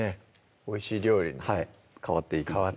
おいしい料理に変わっていくうん